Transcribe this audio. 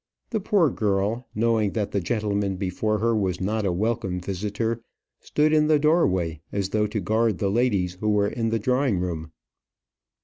The poor girl, knowing that the gentleman before her was not a welcome visitor, stood in the doorway, as though to guard the ladies who were in the drawing room.